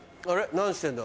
何してんだ。